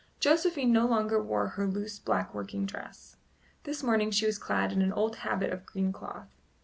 Josephine no longer wore her loose black working dress; this morning she was clad in an old habit of green cloth.